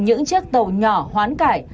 những chiếc tàu nhỏ hoán cải